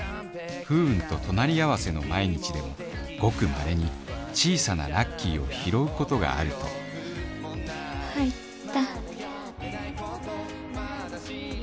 不運と隣り合わせの毎日でもごく稀に小さなラッキーを拾うことがあると入った。